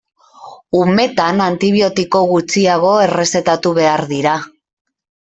Umetan antibiotiko gutxiago errezetatu behar dira.